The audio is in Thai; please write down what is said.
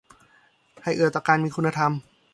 ให้เอื้อต่อการมีคุณธรรม